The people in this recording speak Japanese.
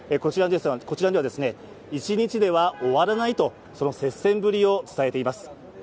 こちらでは、一日では終わらないとその接戦ぶりを伝えています。